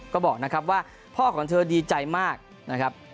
ก็บอกนะครับว่าพ่อของเธอดีใจมากนะครับ